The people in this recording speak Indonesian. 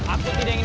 aku akan menang